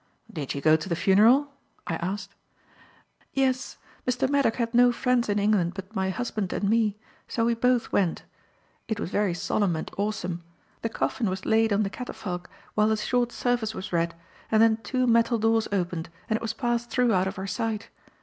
"Did you go to the funeral?" I asked. "Yes. Mr. Maddock had no friends in England but my husband and me, so we both went. It was very solemn and awesome. The coffin was laid on the catafalque while a short service was read, and then two metal doors opened and it was passed through out of our sight.